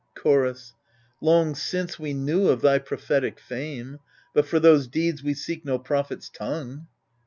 Chorus Long since we knew of thy prophetic fame, — But for those deeds we seek no prophet's tongue.